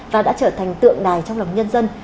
và đã trở thành tượng đài trong lòng nhân dân